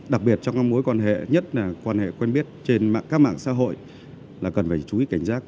đặc biệt trong mối quan hệ nhất là quan hệ quen biết trên các mạng xã hội là cần phải chú ý cảnh giác